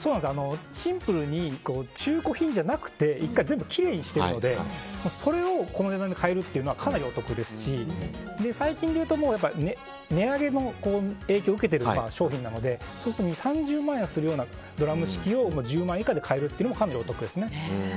シンプルに中古品じゃなくて１回全部きれいにしてるのでそれをこの値段で買えるというのはかなりお得ですし最近でいうと値上げの影響を受けている商品なのでそうすると２０３０万円はするようなドラム式を１０万以下で買えるというのもかなりお得ですね。